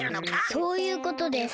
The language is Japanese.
そういうことです。